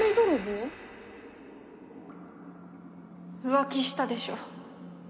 浮気したでしょ？